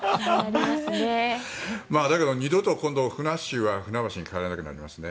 だけど、二度とふなっしーは船橋に帰れなくなりますね。